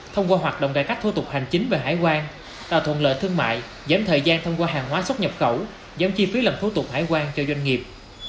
thông qua hoạt động cải cách thô tục hành chính về hải quan tạo thuận lợi thương mại giảm thời gian thông qua hàng hóa xuất nhập khẩu giảm chi phí làm thủ tục hải quan cho doanh nghiệp